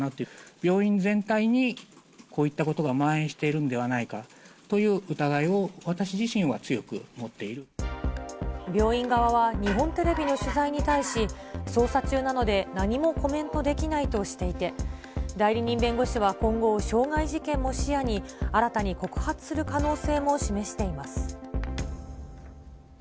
病院全体にこういったことがまん延しているんではないかという疑病院側は日本テレビの取材に対し、捜査中なので何もコメントできないとしていて、代理人弁護士は今後、傷害事件も視野に新たに告発する可能性も示しています。